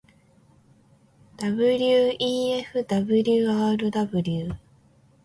wefwrw